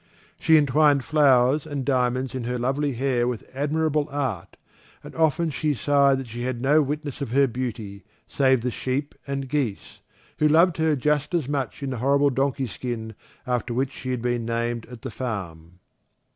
She entwined flowers and diamonds in her lovely hair with admirable art, and often she sighed that she had no witness of her beauty save the sheep and geese, who loved her just as much in the horrible donkey skin after which she had been named at the farm.